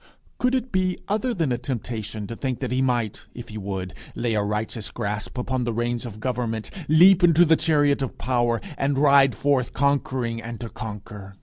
Could it be other than a temptation to think that he might, if he would, lay a righteous grasp upon the reins of government, leap into the chariot of power, and ride forth conquering and to conquer?